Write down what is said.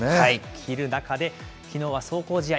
切る中できのうは壮行試合。